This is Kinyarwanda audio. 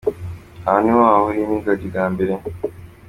Aho niho yahuriye n’ingagi bwa mbere.